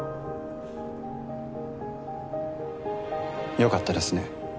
良かったですね。